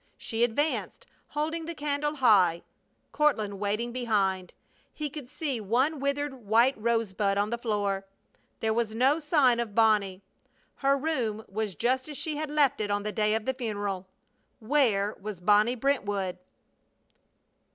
She advanced, holding the candle high, Courtland waiting behind. He could see one withered white rosebud on the floor. There was no sign of Bonnie! Her room was just as she had left it on the day of the funeral! Where was Bonnie Brentwood?